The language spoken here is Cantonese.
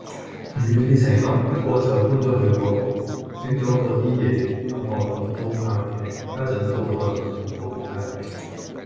唔願變成咁，不過就搬咗去嗰度，整咗嗰啲嘢咁我諗都啱嘅，家陣都好耐冇見過嗰間野